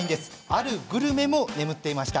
あるグルメも眠っていました。